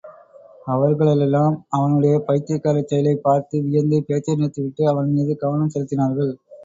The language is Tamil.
அவர்களெல்லாம் அவனுடைய பைத்தியக்காரச் செயலைப் பார்த்து வியந்து பேச்சை நிறுத்திவிட்டு அவன் மீது கவனம் செலுத்தினார்கள்.